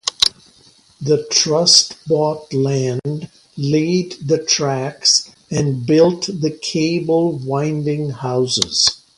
The trust bought land, laid the tracks, and built the cable winding houses.